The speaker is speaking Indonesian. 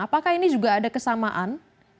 apakah ini juga ada kesamaan